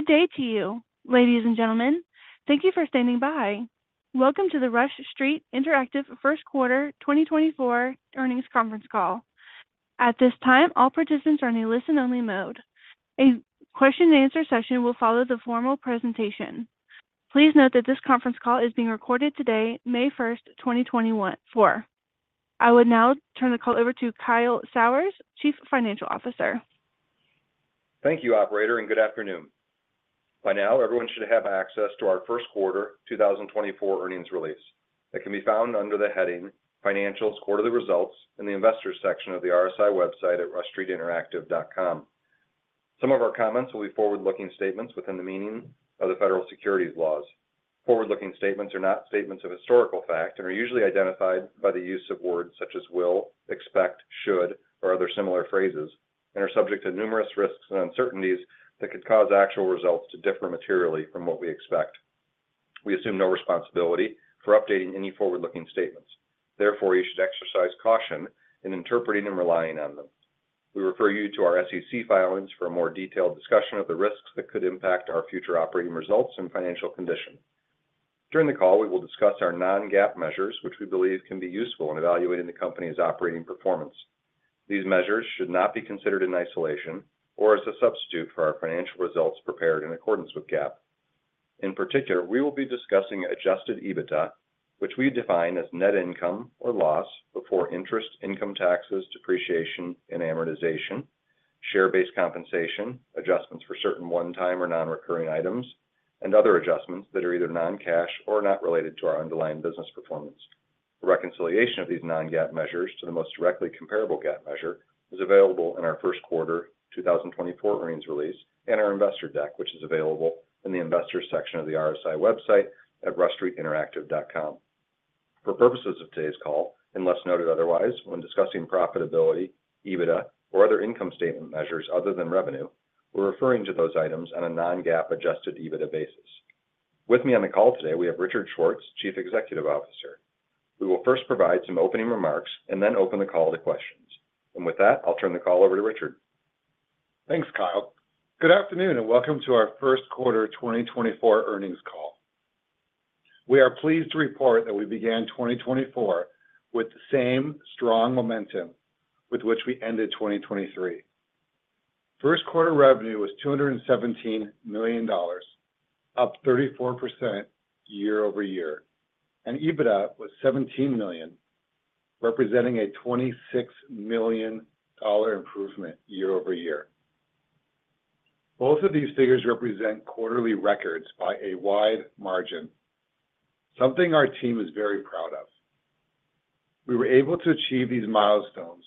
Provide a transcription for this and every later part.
Good day to you, ladies and gentlemen. Thank you for standing by. Welcome to the Rush Street Interactive first quarter 2024 earnings conference call. At this time, all participants are in a listen-only mode. A question-and-answer session will follow the formal presentation. Please note that this conference call is being recorded today, May 1st, 2024. I would now turn the call over to Kyle Sauers, Chief Financial Officer. Thank you, operator, and good afternoon. By now, everyone should have access to our first quarter 2024 earnings release. It can be found under the heading "Financials, Quarterly Results," in the Investors section of the RSI website at rushstreetinteractive.com. Some of our comments will be forward-looking statements within the meaning of the federal securities laws. Forward-looking statements are not statements of historical fact and are usually identified by the use of words such as will, expect, should, or other similar phrases, and are subject to numerous risks and uncertainties that could cause actual results to differ materially from what we expect. We assume no responsibility for updating any forward-looking statements. Therefore, you should exercise caution in interpreting and relying on them. We refer you to our SEC filings for a more detailed discussion of the risks that could impact our future operating results and financial condition. During the call, we will discuss our non-GAAP measures, which we believe can be useful in evaluating the company's operating performance. These measures should not be considered in isolation or as a substitute for our financial results prepared in accordance with GAAP. In particular, we will be discussing Adjusted EBITDA, which we define as net income or loss before interest, income taxes, depreciation, and amortization, share-based compensation, adjustments for certain one-time or non-recurring items, and other adjustments that are either non-cash or not related to our underlying business performance. A reconciliation of these non-GAAP measures to the most directly comparable GAAP measure is available in our first quarter 2024 earnings release and our investor deck, which is available in the Investors section of the RSI website at rushstreetinteractive.com. For purposes of today's call, unless noted otherwise, when discussing profitability, EBITDA, or other income statement measures other than revenue, we're referring to those items on a non-GAAP adjusted EBITDA basis. With me on the call today, we have Richard Schwartz, Chief Executive Officer. We will first provide some opening remarks and then open the call to questions. And with that, I'll turn the call over to Richard. Thanks, Kyle. Good afternoon and welcome to our first quarter 2024 earnings call. We are pleased to report that we began 2024 with the same strong momentum with which we ended 2023. First quarter revenue was $217 million, up 34% year-over-year, and EBITDA was $17 million, representing a $26 million improvement year-over-year. Both of these figures represent quarterly records by a wide margin, something our team is very proud of. We were able to achieve these milestones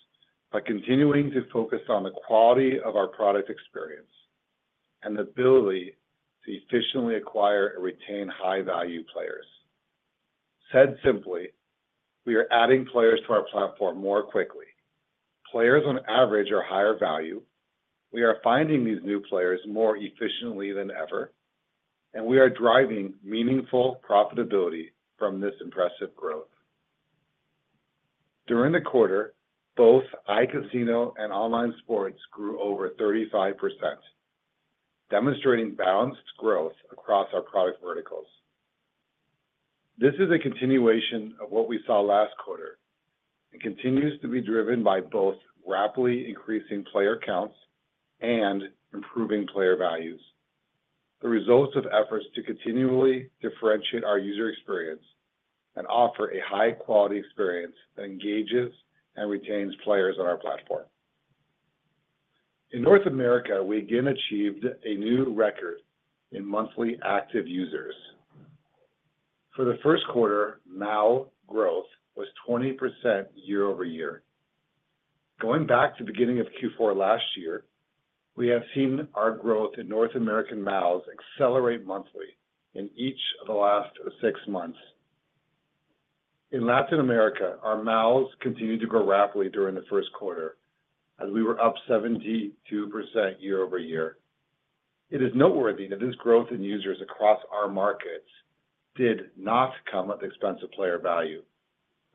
by continuing to focus on the quality of our product experience and the ability to efficiently acquire and retain high-value players. Said simply, we are adding players to our platform more quickly. Players, on average, are higher value. We are finding these new players more efficiently than ever, and we are driving meaningful profitability from this impressive growth. During the quarter, both iCasino and online sports grew over 35%, demonstrating balanced growth across our product verticals. This is a continuation of what we saw last quarter and continues to be driven by both rapidly increasing player counts and improving player values, the results of efforts to continually differentiate our user experience and offer a high-quality experience that engages and retains players on our platform. In North America, we again achieved a new record in monthly active users. For the first quarter, MAU growth was 20% year-over-year. Going back to the beginning of Q4 last year, we have seen our growth in North American MAUs accelerate monthly in each of the last six months. In Latin America, our MAUs continued to grow rapidly during the first quarter, as we were up 72% year-over-year. It is noteworthy that this growth in users across our markets did not come at the expense of player value,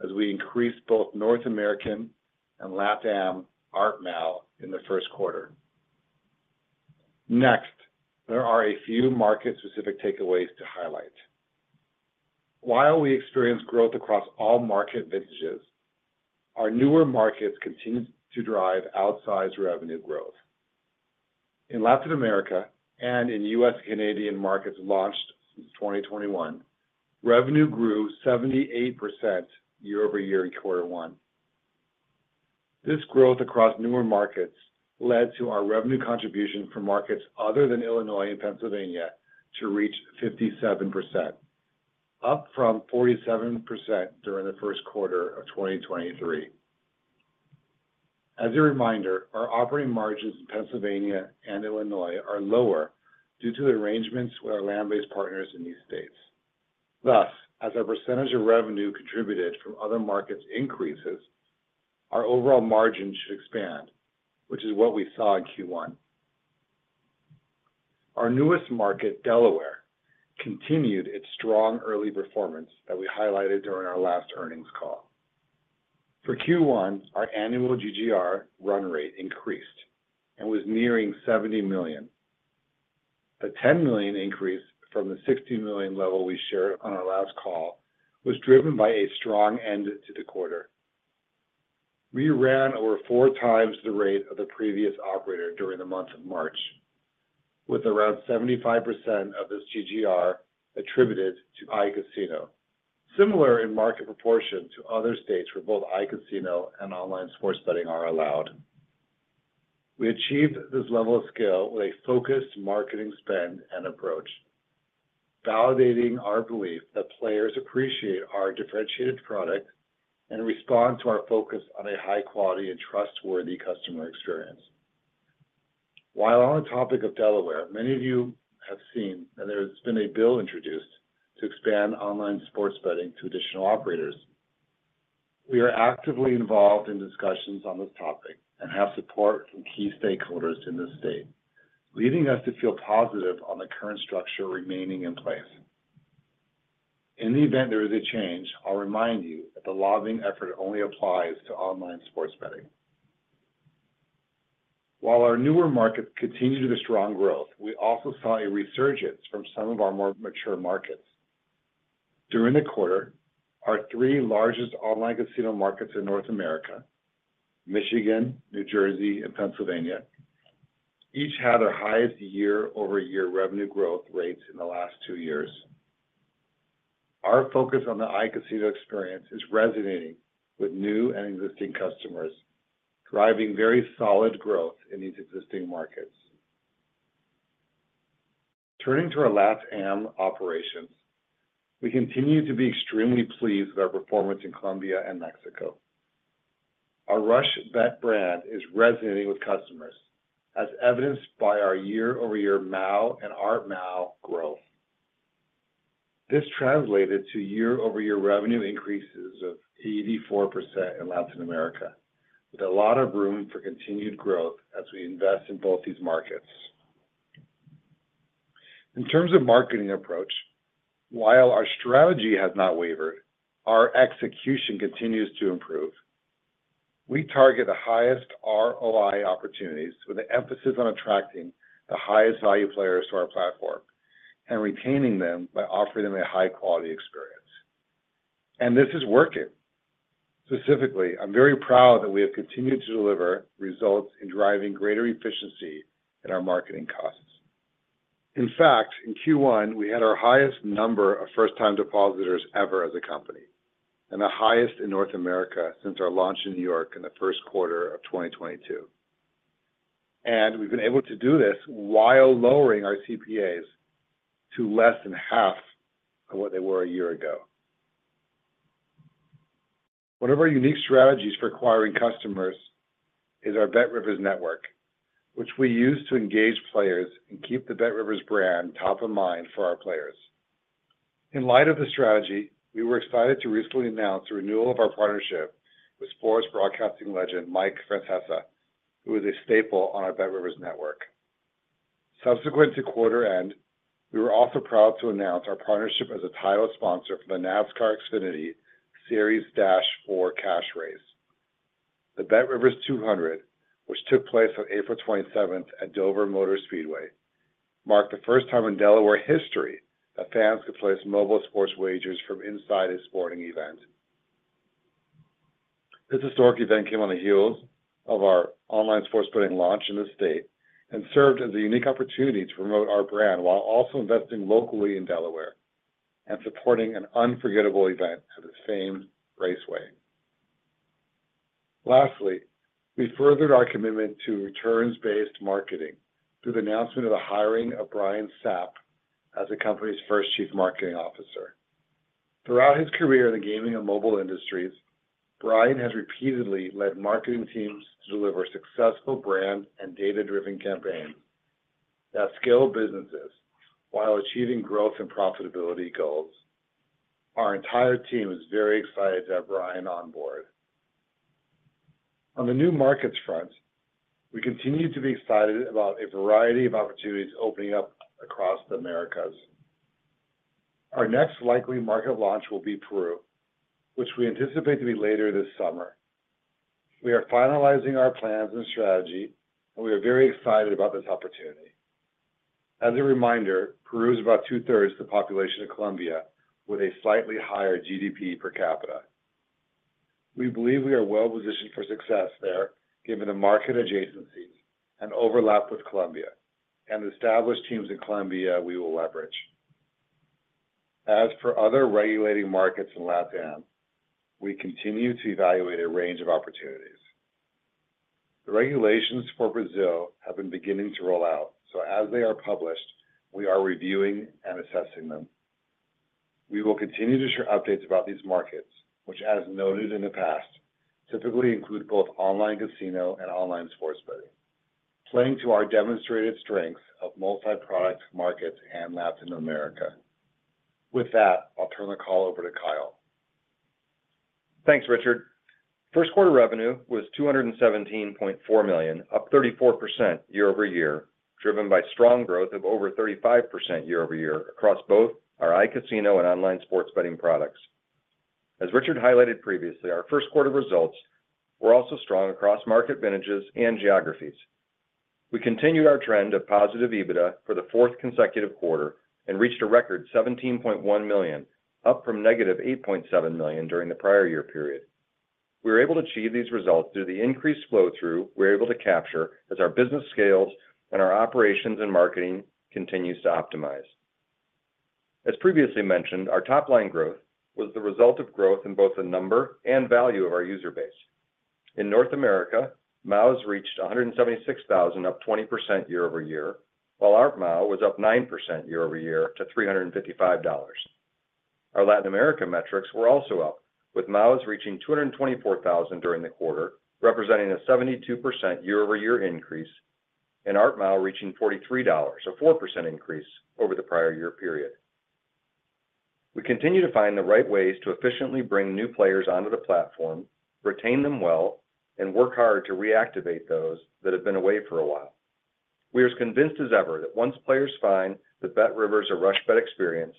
as we increased both North American and LatAm ARPMAU in the first quarter. Next, there are a few market-specific takeaways to highlight. While we experience growth across all market vintages, our newer markets continue to drive outsized revenue growth. In Latin America and in US-Canadian markets launched since 2021, revenue grew 78% year-over-year in quarter One. This growth across newer markets led to our revenue contribution from markets other than Illinois and Pennsylvania to reach 57%, up from 47% during the first quarter of 2023. As a reminder, our operating margins in Pennsylvania and Illinois are lower due to the arrangements with our land-based partners in these states. Thus, as our percentage of revenue contributed from other markets increases, our overall margin should expand, which is what we saw in Q1. Our newest market, Delaware, continued its strong early performance that we highlighted during our last earnings call. For Q1, our annual GGR run rate increased and was nearing $70 million. The $10 million increase from the $60 million level we shared on our last call was driven by a strong end to the quarter. We ran over 4 times the rate of the previous operator during the month of March, with around 75% of this GGR attributed to iCasino, similar in market proportion to other states where both iCasino and online sports betting are allowed. We achieved this level of scale with a focused marketing spend and approach, validating our belief that players appreciate our differentiated product and respond to our focus on a high-quality and trustworthy customer experience. While on the topic of Delaware, many of you have seen that there has been a bill introduced to expand online sports betting to additional operators. We are actively involved in discussions on this topic and have support from key stakeholders in this state, leading us to feel positive on the current structure remaining in place. In the event there is a change, I'll remind you that the lobbying effort only applies to online sports betting. While our newer markets continue to the strong growth, we also saw a resurgence from some of our more mature markets. During the quarter, our three largest online casino markets in North America, Michigan, New Jersey, and Pennsylvania, each had their highest year-over-year revenue growth rates in the last two years. Our focus on the iCasino experience is resonating with new and existing customers, driving very solid growth in these existing markets. Turning to our LatAm operations, we continue to be extremely pleased with our performance in Colombia and Mexico. Our RushBet brand is resonating with customers, as evidenced by our year-over-year MAU and ARPMAU growth. This translated to year-over-year revenue increases of 84% in Latin America, with a lot of room for continued growth as we invest in both these markets. In terms of marketing approach, while our strategy has not wavered, our execution continues to improve. We target the highest ROI opportunities with an emphasis on attracting the highest-value players to our platform and retaining them by offering them a high-quality experience. This is working. Specifically, I'm very proud that we have continued to deliver results in driving greater efficiency in our marketing costs. In fact, in Q1, we had our highest number of first-time depositors ever as a company and the highest in North America since our launch in New York in the first quarter of 2022. We've been able to do this while lowering our CPAs to less than half of what they were a year ago. One of our unique strategies for acquiring customers is our BetRivers Network, which we use to engage players and keep the BetRivers brand top of mind for our players. In light of the strategy, we were excited to recently announce the renewal of our partnership with sports broadcasting legend Mike Francesa, who is a staple on our BetRivers Network. Subsequent to quarter end, we were also proud to announce our partnership as a title sponsor for the NASCAR Xfinity Series race. The BetRivers 200, which took place on April 27th at Dover Motor Speedway, marked the first time in Delaware history that fans could place mobile sports wagers from inside a sporting event. This historic event came on the heels of our online sports betting launch in the state and served as a unique opportunity to promote our brand while also investing locally in Delaware and supporting an unforgettable event at this famed raceway. Lastly, we furthered our commitment to returns-based marketing through the announcement of the hiring of Brian Sapp as the company's first Chief Marketing Officer. Throughout his career in the gaming and mobile industries, Brian has repeatedly led marketing teams to deliver successful brand and data-driven campaigns that scale businesses while achieving growth and profitability goals. Our entire team is very excited to have Brian on board. On the new markets front, we continue to be excited about a variety of opportunities opening up across the Americas. Our next likely market launch will be Peru, which we anticipate to be later this summer. We are finalizing our plans and strategy, and we are very excited about this opportunity. As a reminder, Peru is about two-thirds the population of Colombia with a slightly higher GDP per capita. We believe we are well-positioned for success there given the market adjacencies and overlap with Colombia and established teams in Colombia we will leverage. As for other regulating markets in LatAm, we continue to evaluate a range of opportunities. The regulations for Brazil have been beginning to roll out, so as they are published, we are reviewing and assessing them. We will continue to share updates about these markets, which, as noted in the past, typically include both online casino and online sports betting, playing to our demonstrated strengths of multi-product markets and Latin America. With that, I'll turn the call over to Kyle. Thanks, Richard. First Quarter revenue was $217.4 million, up 34% year-over-year, driven by strong growth of over 35% year-over-year across both our iCasino and online sports betting products. As Richard highlighted previously, our first quarter results were also strong across market vintages and geographies. We continued our trend of positive EBITDA for the fourth consecutive quarter and reached a record $17.1 million, up from negative $8.7 million during the prior year period. We were able to achieve these results through the increased flow-through we were able to capture as our business scales and our operations and marketing continues to optimize. As previously mentioned, our top-line growth was the result of growth in both the number and value of our user base. In North America, MAUs reached 176,000, up 20% year-over-year, while ARPMAU was up 9% year-over-year to $355. Our Latin America metrics were also up, with MAUs reaching 224,000 during the quarter, representing a 72% year-over-year increase, and ARPMAU reaching $43, a 4% increase over the prior year period. We continue to find the right ways to efficiently bring new players onto the platform, retain them well, and work hard to reactivate those that have been away for a while. We are as convinced as ever that once players find the BetRivers or RushBet experience,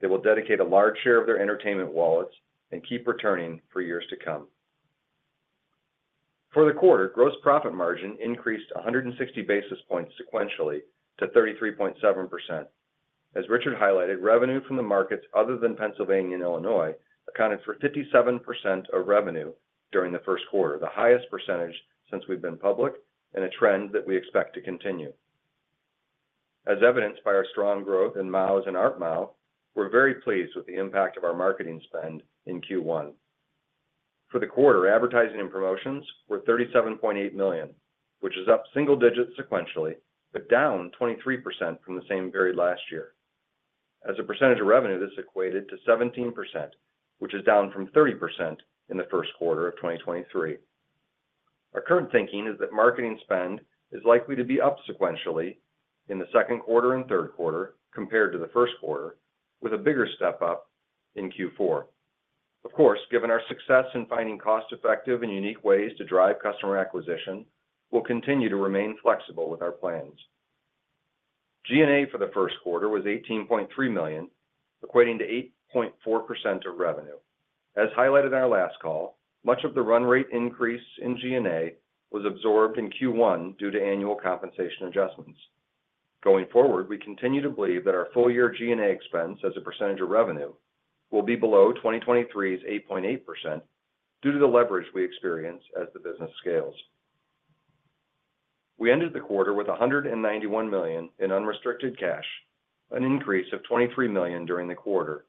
they will dedicate a large share of their entertainment wallets and keep returning for years to come. For the quarter, gross profit margin increased 160 basis points sequentially to 33.7%. As Richard highlighted, revenue from the markets other than Pennsylvania and Illinois accounted for 57% of revenue during the first quarter, the highest percentage since we've been public and a trend that we expect to continue. As evidenced by our strong growth in MAUs and ARPMAU, we're very pleased with the impact of our marketing spend in Q1. For the quarter, advertising and promotions were $37.8 million, which is up single digits sequentially but down 23% from the same period last year. As a percentage of revenue, this equated to 17%, which is down from 30% in the first quarter of 2023. Our current thinking is that marketing spend is likely to be up sequentially in the second quarter and third quarter compared to the first quarter, with a bigger step up in Q4. Of course, given our success in finding cost-effective and unique ways to drive customer acquisition, we'll continue to remain flexible with our plans. G&A for the first quarter was $18.3 million, equating to 8.4% of revenue. As highlighted in our last call, much of the run rate increase in G&A was absorbed in Q1 due to annual compensation adjustments. Going forward, we continue to believe that our full-year G&A expense as a percentage of revenue will be below 2023's 8.8% due to the leverage we experience as the business scales. We ended the quarter with $191 million in unrestricted cash, an increase of $23 million during the quarter,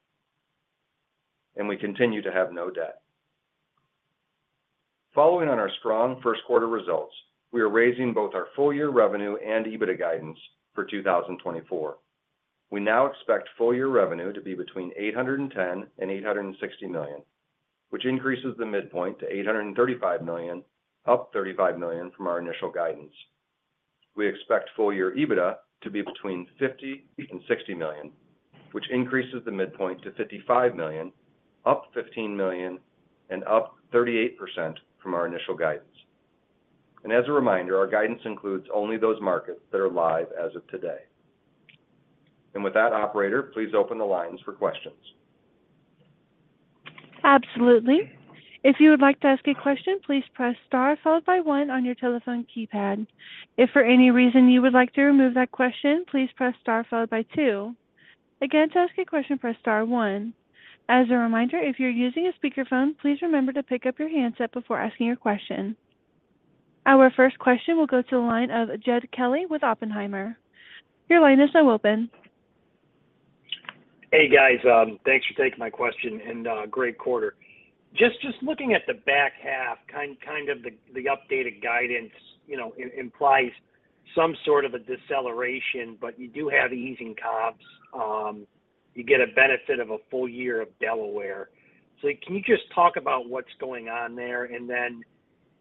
and we continue to have no debt. Following on our strong first-quarter results, we are raising both our full-year revenue and EBITDA guidance for 2024. We now expect full-year revenue to be between $810-$860 million, which increases the midpoint to $835 million, up $35 million from our initial guidance. We expect full-year EBITDA to be between $50-$60 million, which increases the midpoint to $55 million, up $15 million, and up 38% from our initial guidance. As a reminder, our guidance includes only those markets that are live as of today. With that, operator, please open the lines for questions. Absolutely. If you would like to ask a question, please press star followed by one on your telephone keypad. If for any reason you would like to remove that question, please press star followed by two. Again, to ask a question, press star one. As a reminder, if you're using a speakerphone, please remember to pick up your handset before asking your question. Our first question will go to the line of Jed Kelly with Oppenheimer. Your line is now open. Hey, guys. Thanks for taking my question and great quarter. Just looking at the back half, kind of the updated guidance implies some sort of a deceleration, but you do have easing comps. You get a benefit of a full year of Delaware. So can you just talk about what's going on there? And then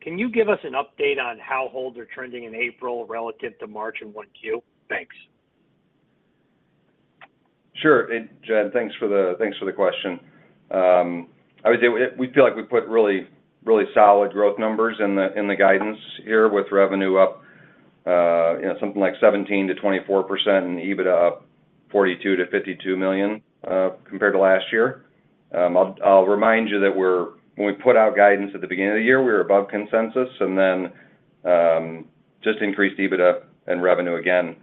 can you give us an update on how holds are trending in April relative to March and 1Q? Thanks. Sure, Jed. Thanks for the question. I would say we feel like we put really solid growth numbers in the guidance here with revenue up something like 17%-24% and EBITDA up $42-$52 million compared to last year. I'll remind you that when we put out guidance at the beginning of the year, we were above consensus and then just increased EBITDA and revenue again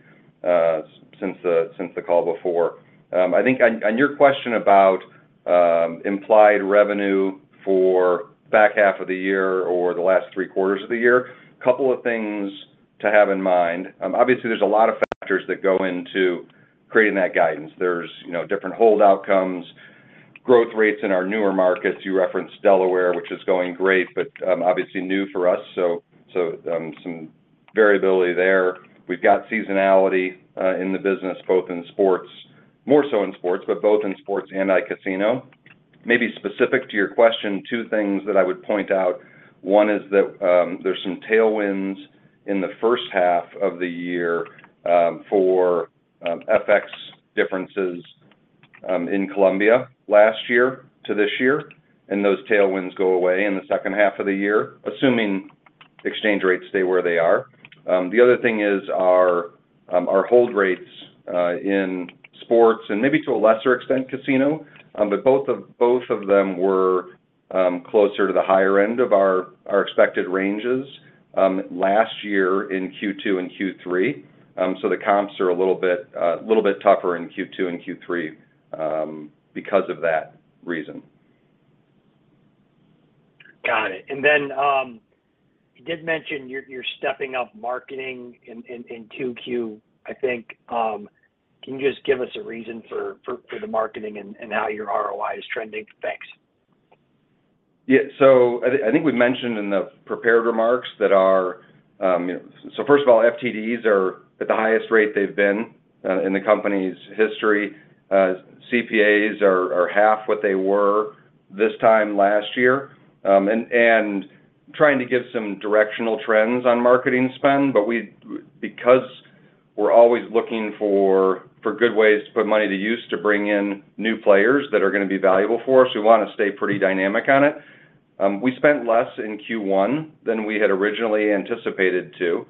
since the call before. I think on your question about implied revenue for back half of the year or the last three quarters of the year, a couple of things to have in mind. Obviously, there's a lot of factors that go into creating that guidance. There's different hold outcomes, growth rates in our newer markets. You referenced Delaware, which is going great but obviously new for us, so some variability there. We've got seasonality in the business, both in sports more so in sports, but both in sports and iCasino. Maybe specific to your question, two things that I would point out. One is that there's some tailwinds in the first half of the year for FX differences in Colombia last year to this year, and those tailwinds go away in the second half of the year, assuming exchange rates stay where they are. The other thing is our hold rates in sports and maybe to a lesser extent casino, but both of them were closer to the higher end of our expected ranges last year in Q2 and Q3. So the comps are a little bit tougher in Q2 and Q3 because of that reason. Got it. And then you did mention you're stepping up marketing in 2Q, I think. Can you just give us a reason for the marketing and how your ROI is trending? Thanks. Yeah. So I think we mentioned in the prepared remarks that first of all, FTDs are at the highest rate they've been in the company's history. CPAs are half what they were this time last year. And trying to give some directional trends on marketing spend, but because we're always looking for good ways to put money to use to bring in new players that are going to be valuable for us, we want to stay pretty dynamic on it. We spent less in Q1 than we had originally anticipated to,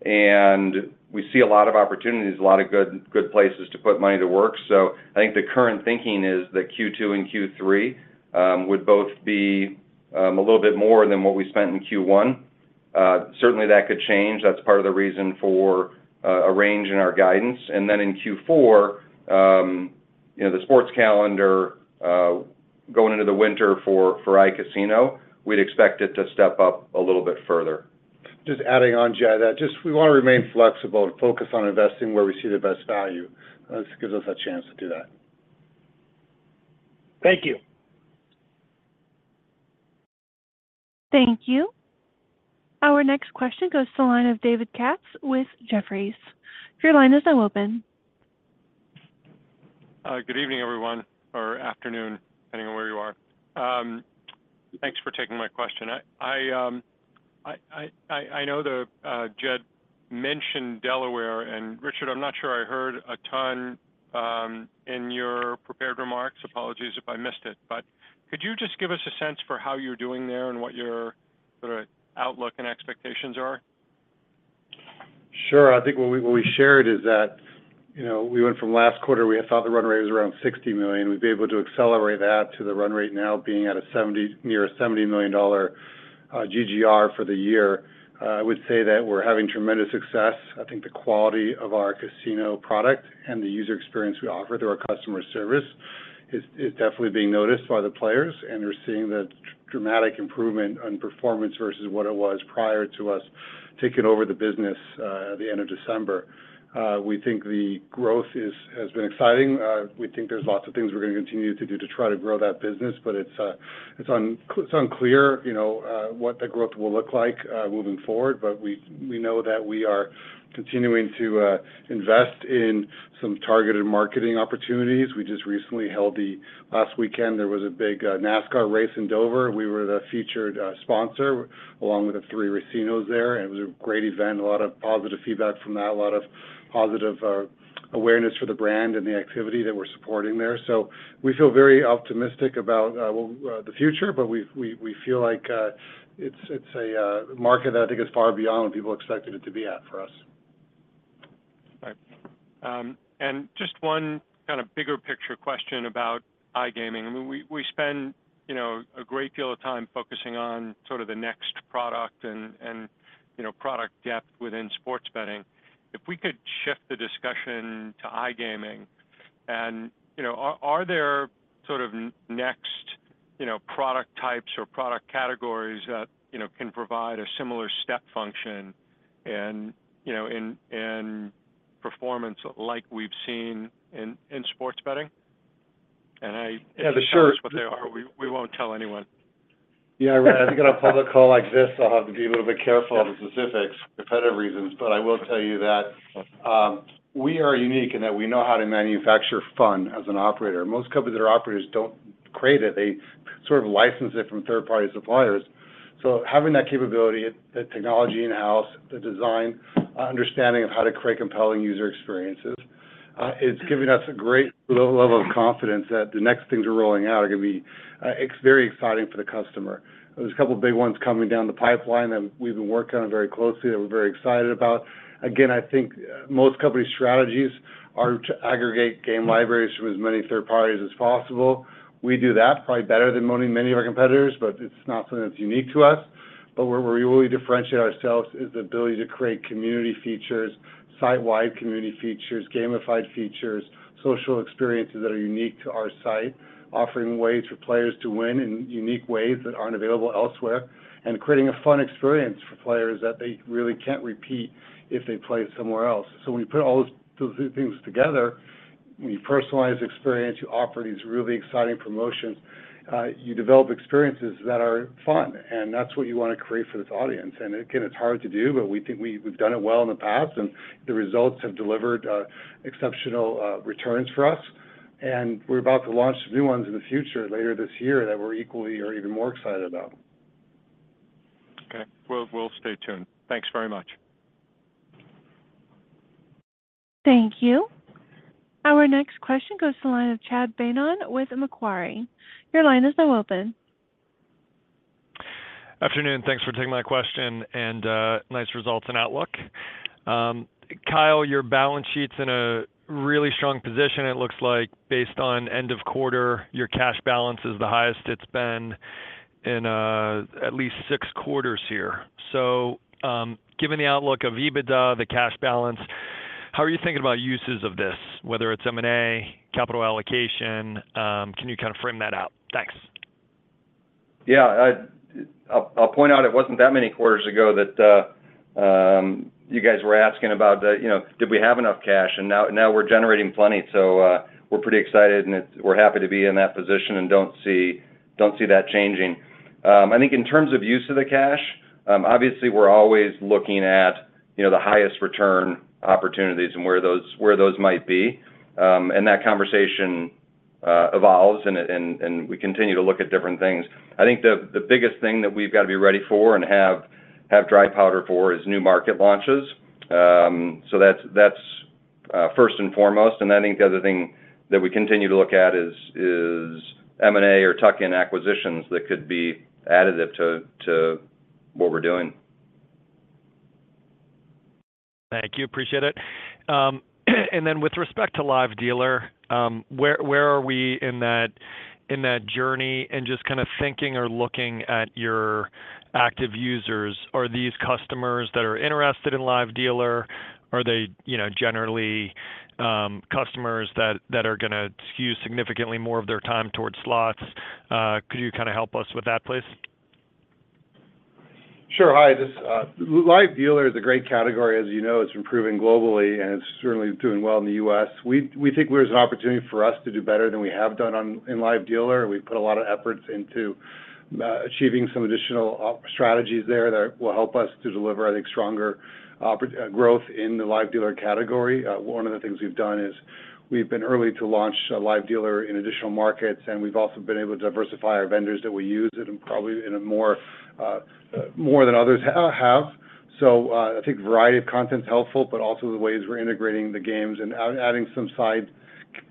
and we see a lot of opportunities, a lot of good places to put money to work. So I think the current thinking is that Q2 and Q3 would both be a little bit more than what we spent in Q1. Certainly, that could change. That's part of the reason for a range in our guidance. And then in Q4, the sports calendar going into the winter for iCasino, we'd expect it to step up a little bit further. Just adding on, Jed, that we want to remain flexible and focus on investing where we see the best value. That gives us a chance to do that. Thank you. Thank you. Our next question goes to the line of David Katz with Jefferies. Your line is now open. Good evening, everyone, or afternoon, depending on where you are. Thanks for taking my question. I know that Jed mentioned Delaware, and Richard, I'm not sure I heard a ton in your prepared remarks. Apologies if I missed it. But could you just give us a sense for how you're doing there and what your sort of outlook and expectations are? Sure. I think what we shared is that we went from last quarter we had thought the run rate was around $60 million. We'd be able to accelerate that to the run rate now being near a $70 million GGR for the year. I would say that we're having tremendous success. I think the quality of our casino product and the user experience we offer through our customer service is definitely being noticed by the players, and we're seeing the dramatic improvement in performance versus what it was prior to us taking over the business at the end of December. We think the growth has been exciting. We think there's lots of things we're going to continue to do to try to grow that business, but it's unclear what the growth will look like moving forward. But we know that we are continuing to invest in some targeted marketing opportunities. We just recently held the last weekend. There was a big NASCAR race in Dover. We were the featured sponsor along with the three racinos there, and it was a great event. A lot of positive feedback from that, a lot of positive awareness for the brand and the activity that we're supporting there. So we feel very optimistic about the future, but we feel like it's a market that I think is far beyond what people expected it to be at for us. All right. And just one kind of bigger picture question about iGaming. I mean, we spend a great deal of time focusing on sort of the next product and product depth within sports betting. If we could shift the discussion to iGaming, are there sort of next product types or product categories that can provide a similar step function in performance like we've seen in sports betting? And if that's what they are, we won't tell anyone. Yeah, I read. I think on a public call like this, I'll have to be a little bit careful of the specifics for competitive reasons. But I will tell you that we are unique in that we know how to manufacture fun as an operator. Most companies that are operators don't create it. They sort of license it from third-party suppliers. So having that capability, the technology in-house, the design, understanding of how to create compelling user experiences, it's giving us a great level of confidence that the next things we're rolling out are going to be very exciting for the customer. There's a couple of big ones coming down the pipeline that we've been working on very closely that we're very excited about. Again, I think most companies' strategies are to aggregate game libraries from as many third parties as possible. We do that probably better than many of our competitors, but it's not something that's unique to us. But where we really differentiate ourselves is the ability to create community features, site-wide community features, gamified features, social experiences that are unique to our site, offering ways for players to win in unique ways that aren't available elsewhere, and creating a fun experience for players that they really can't repeat if they play somewhere else. So when you put all those things together, when you personalize the experience, you offer these really exciting promotions, you develop experiences that are fun, and that's what you want to create for this audience. And again, it's hard to do, but we think we've done it well in the past, and the results have delivered exceptional returns for us. We're about to launch some new ones in the future later this year that we're equally or even more excited about. Okay. We'll stay tuned. Thanks very much. Thank you. Our next question goes to the line of Chad Beynon with Macquarie. Your line is now open. Afternoon. Thanks for taking my question and nice results and outlook. Kyle, your balance sheet's in a really strong position, it looks like. Based on end of quarter, your cash balance is the highest it's been in at least six quarters here. So given the outlook of EBITDA, the cash balance, how are you thinking about uses of this, whether it's M&A, capital allocation? Can you kind of frame that out? Thanks. Yeah. I'll point out it wasn't that many quarters ago that you guys were asking about did we have enough cash, and now we're generating plenty. So we're pretty excited, and we're happy to be in that position and don't see that changing. I think in terms of use of the cash, obviously, we're always looking at the highest return opportunities and where those might be. That conversation evolves, and we continue to look at different things. I think the biggest thing that we've got to be ready for and have dry powder for is new market launches. So that's first and foremost. I think the other thing that we continue to look at is M&A or tuck-in acquisitions that could be additive to what we're doing. Thank you. Appreciate it. Then with respect to Live Dealer, where are we in that journey in just kind of thinking or looking at your active users? Are these customers that are interested in Live Dealer? Are they generally customers that are going to skew significantly more of their time towards slots? Could you kind of help us with that, please? Sure. Hi. Live Dealer is a great category. As you know, it's improving globally, and it's certainly doing well in the U.S. We think there's an opportunity for us to do better than we have done in Live Dealer. We've put a lot of efforts into achieving some additional strategies there that will help us to deliver, I think, stronger growth in the Live Dealer category. One of the things we've done is we've been early to launch Live Dealer in additional markets, and we've also been able to diversify our vendors that we use in probably more than others have. So I think a variety of content's helpful, but also the ways we're integrating the games and adding some side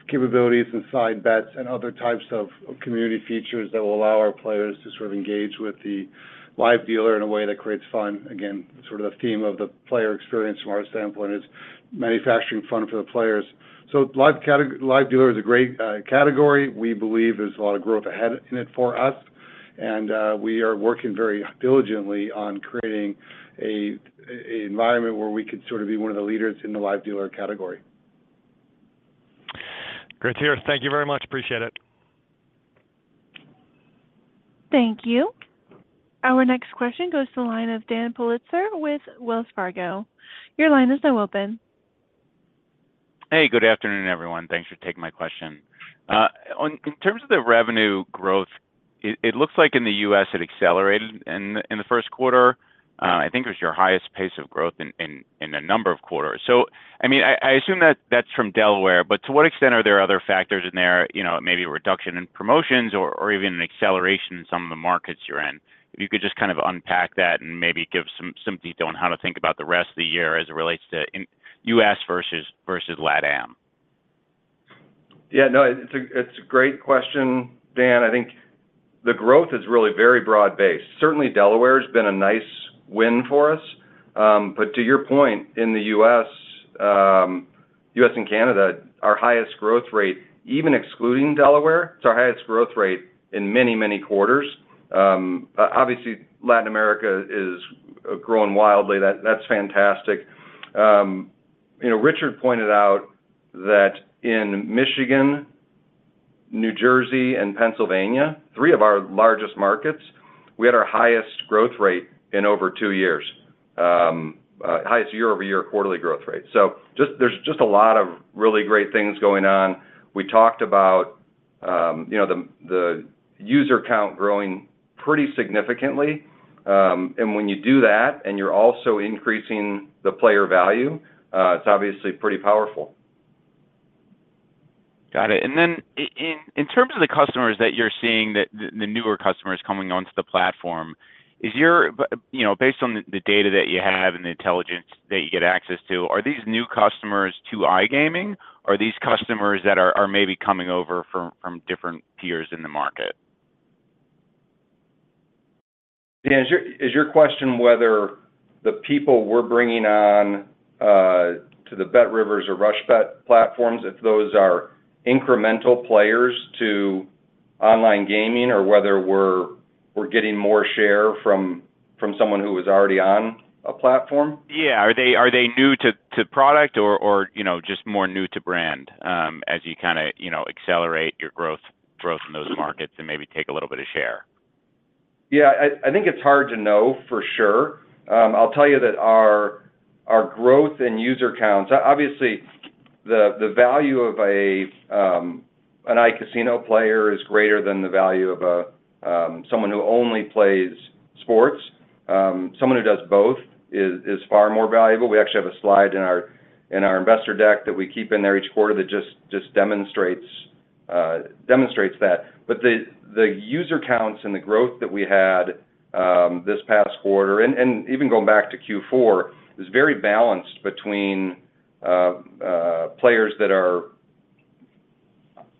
capabilities and side bets and other types of community features that will allow our players to sort of engage with the Live Dealer in a way that creates fun. Again, sort of the theme of the player experience from our standpoint is manufacturing fun for the players. So Live Dealer is a great category. We believe there's a lot of growth ahead in it for us, and we are working very diligently on creating an environment where we could sort of be one of the leaders in the Live Dealer category. Great to hear it. Thank you very much. Appreciate it. Thank you. Our next question goes to the line of Dan Politzer with Wells Fargo. Your line is now open. Hey. Good afternoon, everyone. Thanks for taking my question. In terms of the revenue growth, it looks like in the U.S., it accelerated in the first quarter. I think it was your highest pace of growth in a number of quarters. So I mean, I assume that that's from Delaware, but to what extent are there other factors in there, maybe a reduction in promotions or even an acceleration in some of the markets you're in? If you could just kind of unpack that and maybe give some detail on how to think about the rest of the year as it relates to U.S. versus LatAm. Yeah. No, it's a great question, Dan. I think the growth is really very broad-based. Certainly, Delaware's been a nice win for us. But to your point, in the US and Canada, our highest growth rate, even excluding Delaware, it's our highest growth rate in many, many quarters. Obviously, Latin America is growing wildly. That's fantastic. Richard pointed out that in Michigan, New Jersey, and Pennsylvania, three of our largest markets, we had our highest growth rate in over two years, highest year-over-year quarterly growth rate. So there's just a lot of really great things going on. We talked about the user count growing pretty significantly. And when you do that and you're also increasing the player value, it's obviously pretty powerful. Got it. And then in terms of the customers that you're seeing, the newer customers coming onto the platform, based on the data that you have and the intelligence that you get access to, are these new customers to iGaming? Are these customers that are maybe coming over from different tiers in the market? Yeah. Is your question whether the people we're bringing on to the BetRivers or RushBet platforms, if those are incremental players to online gaming, or whether we're getting more share from someone who is already on a platform? Yeah. Are they new to product or just more new to brand as you kind of accelerate your growth in those markets and maybe take a little bit of share? Yeah. I think it's hard to know for sure. I'll tell you that our growth in user counts obviously, the value of an iCasino player is greater than the value of someone who only plays sports. Someone who does both is far more valuable. We actually have a slide in our investor deck that we keep in there each quarter that just demonstrates that. But the user counts and the growth that we had this past quarter, and even going back to Q4, is very balanced between players that are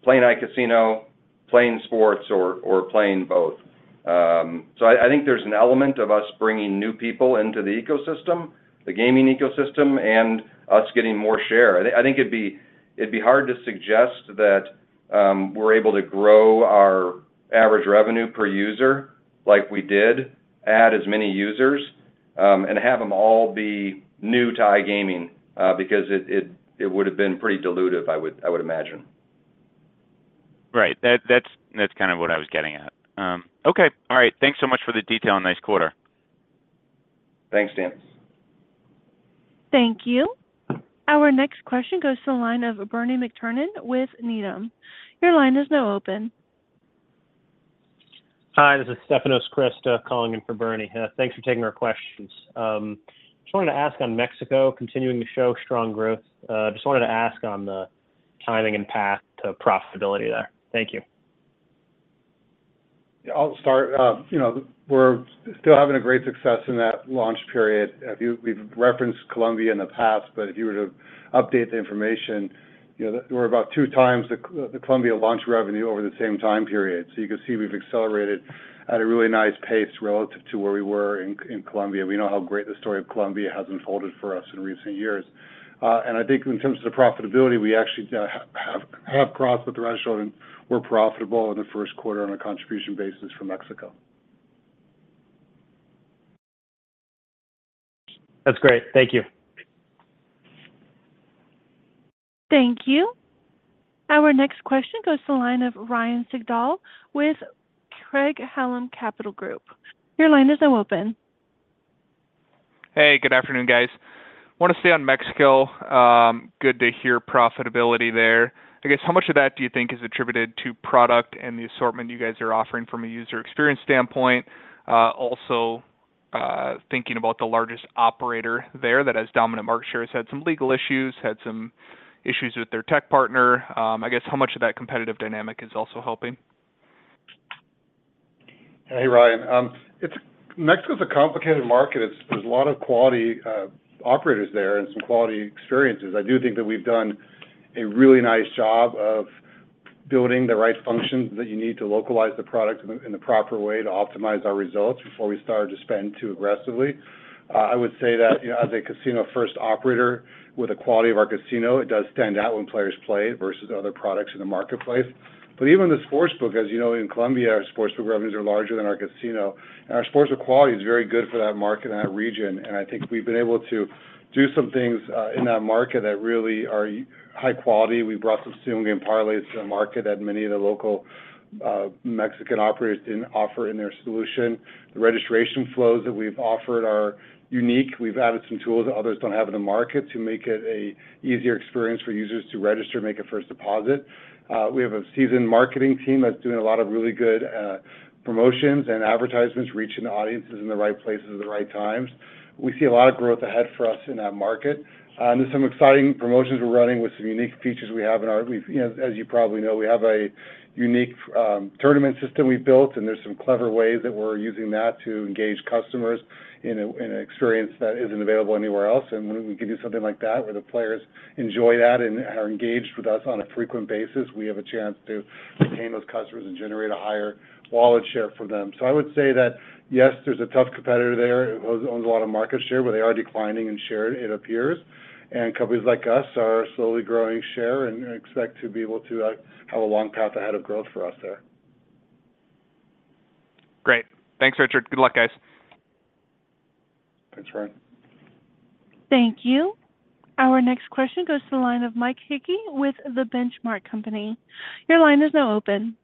playing iCasino, playing sports, or playing both. So I think there's an element of us bringing new people into the ecosystem, the gaming ecosystem, and us getting more share. I think it'd be hard to suggest that we're able to grow our average revenue per user like we did, add as many users, and have them all be new to iGaming because it would have been pretty dilutive, I would imagine. Right. That's kind of what I was getting at. Okay. All right. Thanks so much for the detail. Nice quarter. Thanks, Dan. Thank you. Our next question goes to the line of Bernie McTernan with Needham. Your line is now open. Hi. This is Stefanos Crist calling in for Bernie. Thanks for taking our questions. Just wanted to ask on Mexico, continuing to show strong growth. Just wanted to ask on the timing and path to profitability there. Thank you. Yeah. I'll start. We're still having great success in that launch period. We've referenced Colombia in the past, but if you were to update the information, we're about two times the Colombia launch revenue over the same time period. So you can see we've accelerated at a really nice pace relative to where we were in Colombia. We know how great the story of Colombia has unfolded for us in recent years. And I think in terms of the profitability, we actually have crossed the threshold, and we're profitable in the first quarter on a contribution basis from Mexico. That's great. Thank you. Thank you. Our next question goes to the line of Ryan Sigdahl with Craig-Hallum Capital Group. Your line is now open. Hey. Good afternoon, guys. Want to stay on Mexico. Good to hear profitability there. I guess how much of that do you think is attributed to product and the assortment you guys are offering from a user experience standpoint? Also thinking about the largest operator there that has dominant market share, has had some legal issues, had some issues with their tech partner. I guess how much of that competitive dynamic is also helping? Hey, Ryan. Mexico's a complicated market. There's a lot of quality operators there and some quality experiences. I do think that we've done a really nice job of building the right functions that you need to localize the product in the proper way to optimize our results before we start to spend too aggressively. I would say that as a casino-first operator with the quality of our casino, it does stand out when players play it versus other products in the marketplace. But even the sports book, as you know, in Colombia, our sports book revenues are larger than our casino, and our sports book quality is very good for that market and that region. And I think we've been able to do some things in that market that really are high quality. We brought some Same Game Parlay to the market that many of the local Mexican operators didn't offer in their solution. The registration flows that we've offered are unique. We've added some tools that others don't have in the market to make it an easier experience for users to register, make a first deposit. We have a seasoned marketing team that's doing a lot of really good promotions and advertisements, reaching the audiences in the right places at the right times. We see a lot of growth ahead for us in that market. And there's some exciting promotions we're running with some unique features we have in our, as you probably know, we have a unique tournament system we built, and there's some clever ways that we're using that to engage customers in an experience that isn't available anywhere else. When we give you something like that where the players enjoy that and are engaged with us on a frequent basis, we have a chance to retain those customers and generate a higher wallet share for them. I would say that, yes, there's a tough competitor there who owns a lot of market share, but they are declining in share, it appears. Companies like us are slowly growing share and expect to be able to have a long path ahead of growth for us there. Great. Thanks, Richard. Good luck, guys. Thanks, Ryan. Thank you. Our next question goes to the line of Mike Hickey with The Benchmark Company. Your line is now open.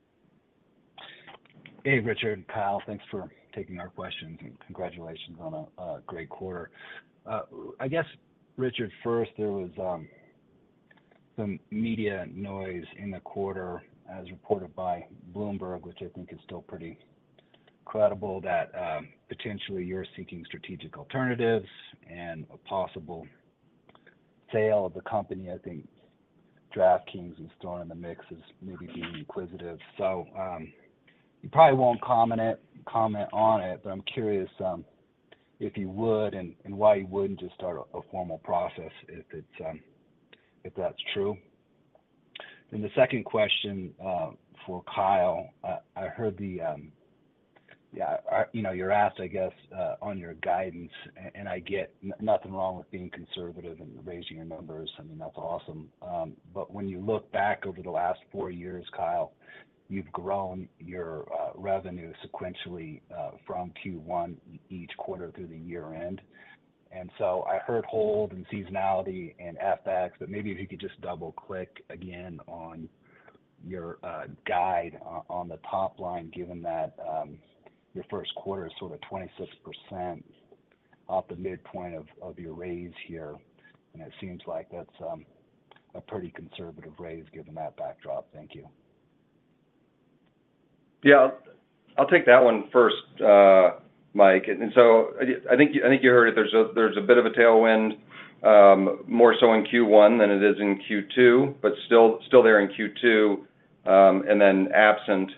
Hey, Richard and Kyle. Thanks for taking our questions, and congratulations on a great quarter. I guess, Richard, first, there was some media noise in the quarter as reported by Bloomberg, which I think is still pretty credible, that potentially you're seeking strategic alternatives and a possible sale of the company. I think DraftKings is thrown in the mix as maybe being inquisitive. So you probably won't comment on it, but I'm curious if you would and why you wouldn't just start a formal process if that's true. The second question for Kyle, I heard the yeah, you're asked, I guess, on your guidance, and I get nothing wrong with being conservative and raising your numbers. I mean, that's awesome. But when you look back over the last four years, Kyle, you've grown your revenue sequentially from Q1 each quarter through the year-end. I heard hold and seasonality and FX, but maybe if you could just double-click again on your guide on the top line, given that your first quarter is sort of 26% off the midpoint of your raise here, and it seems like that's a pretty conservative raise given that backdrop. Thank you. Yeah. I'll take that one first, Mike. And so I think you heard it. There's a bit of a tailwind, more so in Q1 than it is in Q2, but still there in Q2 and then absent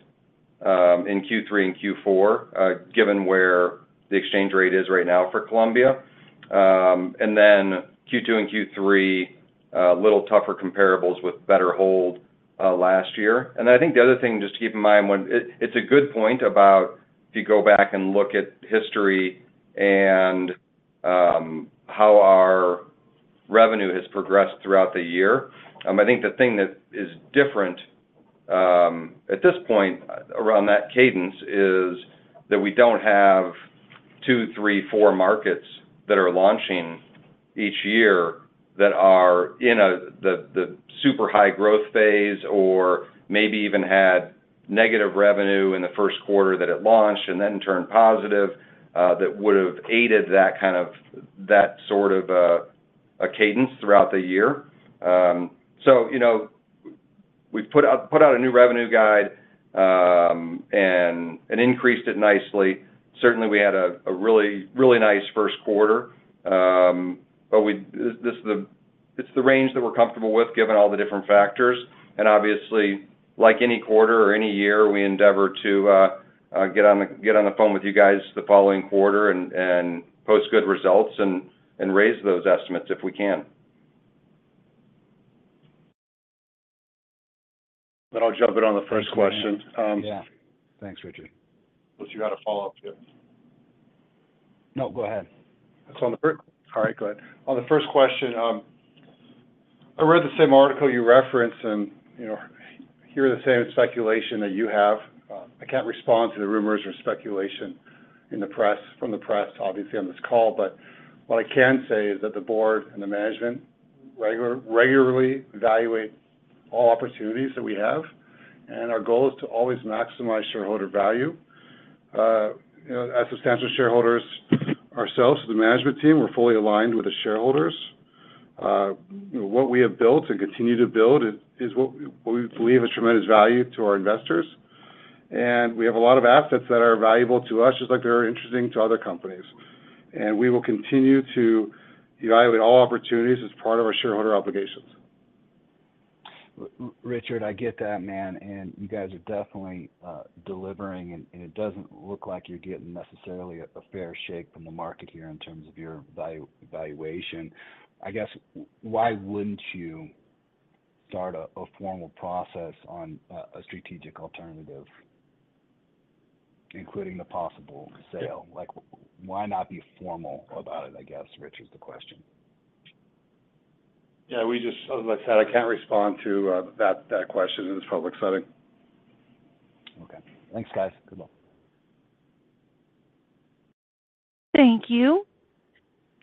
in Q3 and Q4 given where the exchange rate is right now for Colombia. And then Q2 and Q3, a little tougher comparables with better hold last year. And then I think the other thing just to keep in mind, it's a good point about if you go back and look at history and how our revenue has progressed throughout the year. I think the thing that is different at this point around that cadence is that we don't have 2, 3, 4 markets that are launching each year that are in the super high growth phase or maybe even had negative revenue in the first quarter that it launched and then turned positive that would have aided that sort of a cadence throughout the year. So we've put out a new revenue guide and increased it nicely. Certainly, we had a really, really nice first quarter, but it's the range that we're comfortable with given all the different factors. And obviously, like any quarter or any year, we endeavor to get on the phone with you guys the following quarter and post good results and raise those estimates if we can. Then I'll jump in on the first question. Yeah. Thanks, Richard. Unless you had a follow-up here. No, go ahead. It's on the first. All right. Go ahead. On the first question, I read the same article you referenced and hear the same speculation that you have. I can't respond to the rumors or speculation from the press, obviously, on this call, but what I can say is that the board and the management regularly evaluate all opportunities that we have, and our goal is to always maximize shareholder value. As substantial shareholders ourselves, the management team, we're fully aligned with the shareholders. What we have built and continue to build is what we believe is tremendous value to our investors. And we have a lot of assets that are valuable to us just like they're interesting to other companies. And we will continue to evaluate all opportunities as part of our shareholder obligations. Richard, I get that, man. And you guys are definitely delivering, and it doesn't look like you're getting necessarily a fair shake from the market here in terms of your valuation. I guess why wouldn't you start a formal process on a strategic alternative, including the possible sale? Why not be formal about it, I guess? Richard, that's the question. Yeah. Like I said, I can't respond to that question in this public setting. Okay. Thanks, guys. Good luck. Thank you.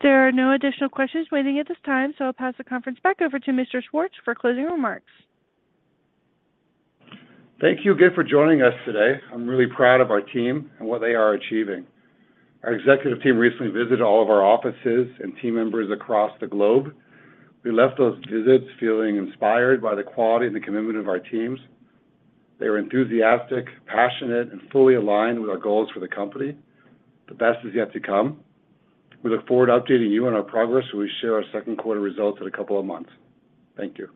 There are no additional questions waiting at this time, so I'll pass the conference back over to Mr. Schwartz for closing remarks. Thank you again for joining us today. I'm really proud of our team and what they are achieving. Our executive team recently visited all of our offices and team members across the globe. We left those visits feeling inspired by the quality and the commitment of our teams. They were enthusiastic, passionate, and fully aligned with our goals for the company. The best is yet to come. We look forward to updating you on our progress when we share our second quarter results in a couple of months. Thank you.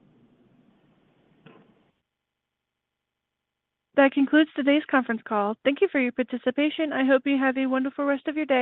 That concludes today's conference call. Thank you for your participation. I hope you have a wonderful rest of your day.